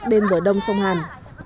bên bờ đông sông hàn